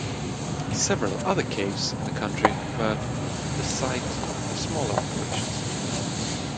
Several other caves in the county were the site of smaller operations.